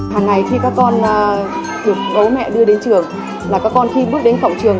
hàng ngày khi các con được đấu mẹ đưa đến trường là các con khi bước đến phòng trường